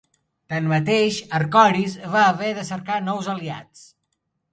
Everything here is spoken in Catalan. Tanmateix, Acoris va haver de cercar nous aliats.